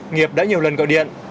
nghiệp đã nhiều lần gọi điện